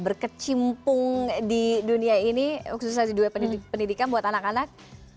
berkecimpung di dunia ini khususnya di dunia pendidikan buat anak anak